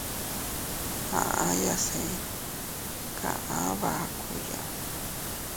Aʼayase kaʼa bakuya.